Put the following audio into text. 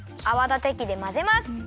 あわだてきでまぜます。